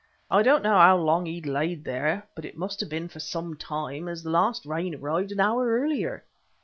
I don't know how long he'd laid there, but it must have been for some time, as the last rain arrived an hour earlier.